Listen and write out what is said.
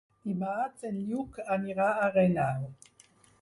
Dimarts en Lluc anirà a Renau.